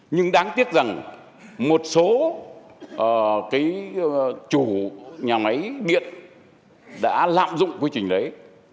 nhưng đáng tiếc rằng một số chủ nhà máy điện đã lạm dụng quy trình đấy